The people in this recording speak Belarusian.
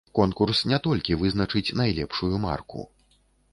Конкурс не толькі вызначыць найлепшую марку.